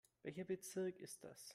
Welcher Bezirk ist das?